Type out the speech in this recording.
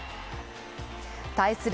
対する